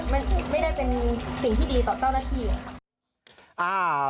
ไม่ได้เป็นสิ่งที่ดีต่อเจ้าหน้าที่ค่ะ